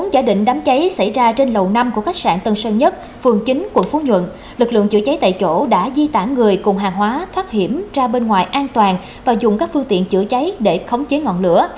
giả định đám cháy xảy ra trên lầu năm của khách sạn tân sơn nhất phường chín quận phú nhuận lực lượng chữa cháy tại chỗ đã di tản người cùng hàng hóa thoát hiểm ra bên ngoài an toàn và dùng các phương tiện chữa cháy để khống chế ngọn lửa